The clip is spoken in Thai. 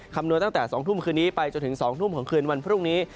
คำนวณตั้งแต่๒ทุ่มคืนนี้ไปจนถึง๒ทุ่มของคืนวันพรุ่งนี้